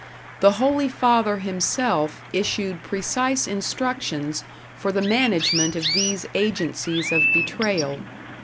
The Holy Father himself issued precise instructions for the management of these agencies of betrayal.